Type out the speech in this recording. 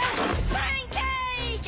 パンケーキ！